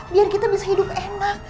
biar kita bisa hidup enak